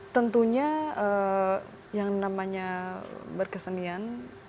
tentunya yang namanya berkesenian